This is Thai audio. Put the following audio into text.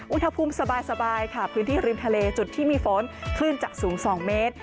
อุณหภูมิสบายค่ะพื้นที่ริมทะเลจุดที่มีฝนคลื่นจะสูง๒เมตร